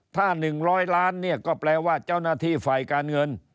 ถ้า๑๐๐ล้านเนี่ยก็แปลว่าเจ้าหน้าที่ฝ่ายการเงิน